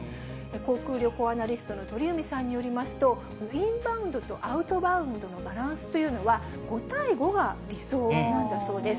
航空・旅行アナリストの鳥海さんによりますと、インバウンドとアウトバウンドのバランスというのは、５対５が理想なんだそうです。